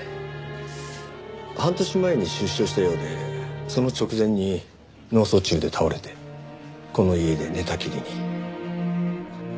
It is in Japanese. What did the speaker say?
半年前に出所したようでその直前に脳卒中で倒れてこの家で寝たきりに。